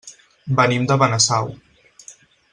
Venim de Benasau.